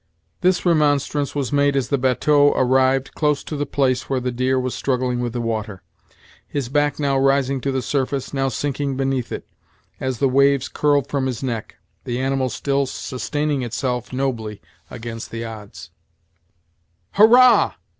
This remonstrance was made as the batteau arrived close to the place where the deer was struggling with the water, his back now rising to the surface, now sinking beneath it, as the waves curled from his neck, the animal still sustaining itself nobly against the odds, "Hurrah!"